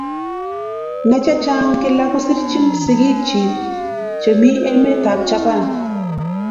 Ne chechng kila kosirchin sigig chik che mi emet ap Japan